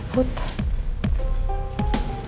kenapa ibu gak denger